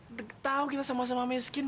udah tau kita sama sama miskin